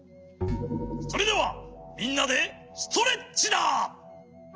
それではみんなでストレッチだ！